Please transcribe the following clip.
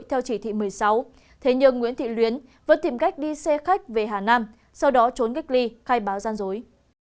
theo chỉ thị một mươi sáu thế nhưng nguyễn thị luyến vẫn tìm cách đi xe khách về hà nam sau đó trốn cách ly khai báo gian dối